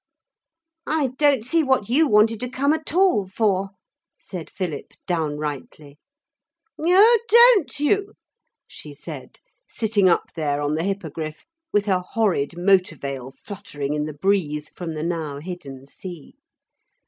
'I don't see what you wanted to come at all for,' said Philip downrightly. 'Oh, don't you?' she said, sitting up there on the Hippogriff with her horrid motor veil fluttering in the breeze from the now hidden sea.